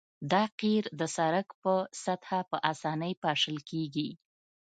دا قیر د سرک په سطحه په اسانۍ پاشل کیږي